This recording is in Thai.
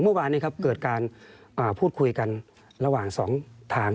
ตอนเมื่อวานเกิดการพูดคุยกันระหว่าง๒ทาง